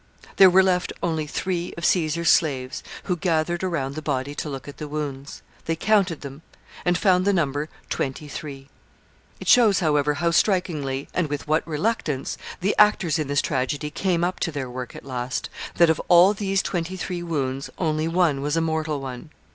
There were left only three of Caesar's slaves, who gathered around the body to look at the wounds. They counted them, and found the number twenty three. It shows, however, how strikingly, and with what reluctance, the actors in this tragedy came up to their work at last, that of all these twenty three wounds only one was a mortal one.